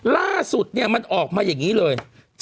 ล่าสุดเนี่ยมันออกมาอย่างนี้เลย